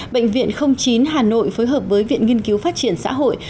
bệnh viện chín hà nội phối hợp với viện nghiên cứu phát triển xã hội